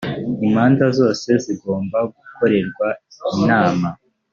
imanza zose zigomba gukorerwa inama